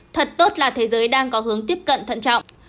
thật tốt là thế giới đang có hướng tiếp cận thận trọng